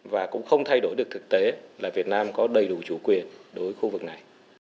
và cũng không thay đổi được thực tế là việt nam có đầy đủ chủ quyền đối với khu vực này